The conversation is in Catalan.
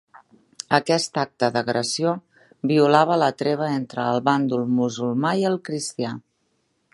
Aquest acte d'agressió violava la treva entre el bàndol musulmà i el cristià.